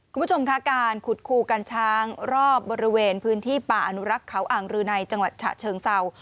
คุณผู้ชมค่ะการขุดคูกัญช้างรอบบริเวณพื้นที่ป่าอนุรักษ์เขาอ่างรือในจังหวัดฉะเชิงเศร้า